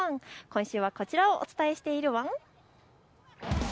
今週はこちらをお伝えしているワン。